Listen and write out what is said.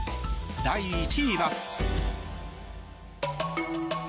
第１位は。